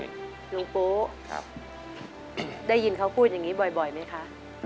ลุงโป๊ะได้ยินเขาพูดอย่างนี้บ่อยไหมคะ